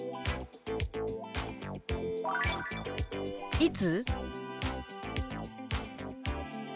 「いつ？」。